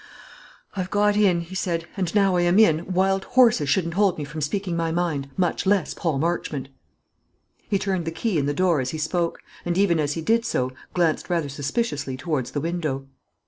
"I've got in," he said; "and now I am in, wild horses shouldn't hold me from speaking my mind, much less Paul Marchmont." He turned the key in the door as he spoke, and even as he did so glanced rather suspiciously towards the window.